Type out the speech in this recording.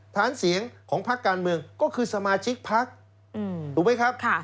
ฐานเสียงของพักการเมืองก็คือสมาชิกพักถูกไหมครับ